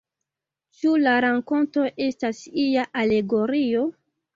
Ĉu la rakonto estas ia alegorio?